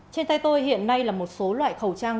trên tay tôi hiện nay là một số loại khẩu trang